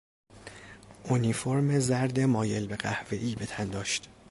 اونیفورم زرد مایل به قهوهای به تن داشت.